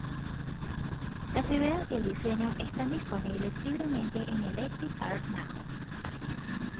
Las ideas y el diseño están disponibles libremente en Electric Car-Now!.